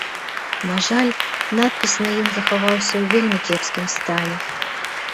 На жаль, надпіс на ім захаваўся ў вельмі кепскім стане.